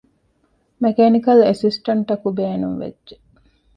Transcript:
މެކޭނިކަލް އެސިސްޓެންޓަކު ބޭނުންވެއްޖެ